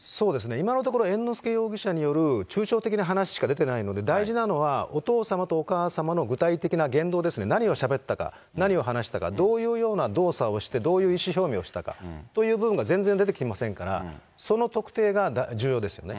今のところ猿之助容疑者による抽象的な話しか出ていないので、大事なのは、お父様とお母様の具体的な言動ですね、何をしゃべったか、何を話したか、どういうような動作をして、どういう意思表明をしたか、という部分が全然出てきてませんから、その特定が重要ですよね。